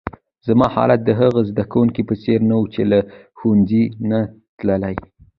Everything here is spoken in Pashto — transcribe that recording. زما حالت د هغه زده کونکي په څېر وو، چي له ښوونځۍ نه تللی.